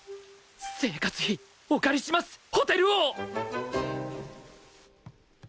生活費お借りします！ホテル王！